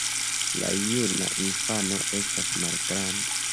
La juna infano estas malgranda.